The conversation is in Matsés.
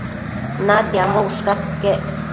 natiambo ushcas iquec